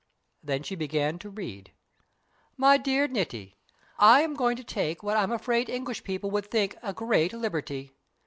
Then she began to read: "MY DEAREST NITI, I am going to take what I'm afraid English people would think a great liberty.